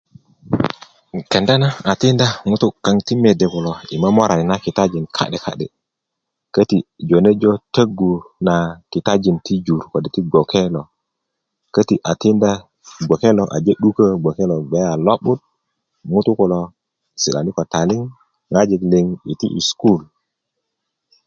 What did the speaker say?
kenda na a tikinda ŋutú kaŋ ti mede kulo i momorani na kitajin kadekade käti jojo tägu na kitajin ti jur kode ti gboke lo käti a tinda gboke lo a je 'dukä gboke lo gbe a lo'but ŋutú kulo si'dani ko taliŋ ŋojik liŋ i ti sukulu